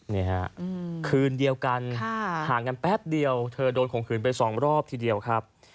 นี่ฮะคืนเดียวกันห่างกันแป๊บเดียวเธอโดนข่มขืนไปสองรอบทีเดียวครับ